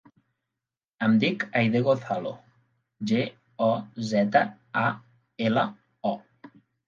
Em dic Aidé Gozalo: ge, o, zeta, a, ela, o.